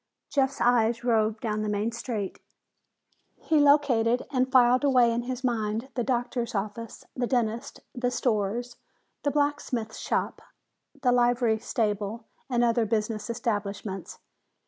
Jeff's eyes roved down the main street. He located and filed away in his mind the doctor's office, the dentist, the stores, the blacksmith shop, the livery stable and other business establishments.